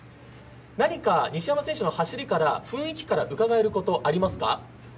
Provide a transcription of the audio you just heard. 何か西山選手の走り、雰囲気からうかがえること、ありますか？